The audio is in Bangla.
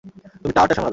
তুমি টাওয়ারটা সামলাবে!